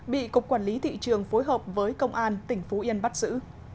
bị cục quản lý thị trường phối hợp với công an tỉnh phú yên bắt giữ